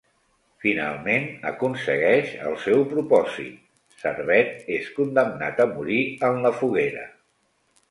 Finalment aconsegueix el seu propòsit, Servet és condemnat a morir en la foguera.